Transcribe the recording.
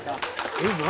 えっ何？